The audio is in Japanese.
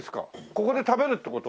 ここで食べるって事？